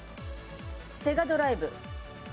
セガドライブ。